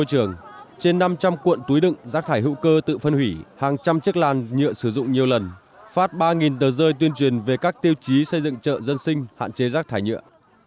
trên năm trăm linh cuộn túi đựng rác thải hữu cơ tự phân hủy hàng trăm chiếc làn nhựa sử dụng nhiều lần phát ba tờ rơi tuyên truyền về các tiêu chí xây dựng chợ dân sinh hạn chế rác thải nhựa